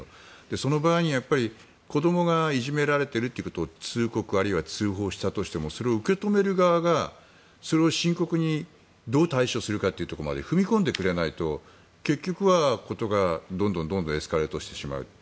その場合に子どもがいじめられてるということを通告あるいは通報したとしてもそれを受け止める側がそれを深刻にどう対処するかというところまで踏み込んでくれないと結局は、事がどんどんエスカレートしてしまう。